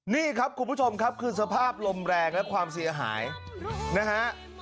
นี่ครับคุณผู้ชมครับคือสภาพลมแรงและความเสียหายนะฮะ